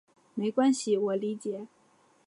没关系，我理解。